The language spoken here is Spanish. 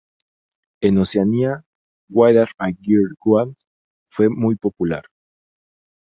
En Oceanía, "What A Girl Wants" fue muy popular.